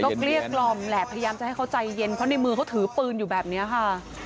ก็เกลี้ยกล่อมแหละพยายามจะให้เขาใจเย็นเพราะในมือเขาถือปืนอยู่แบบนี้ค่ะ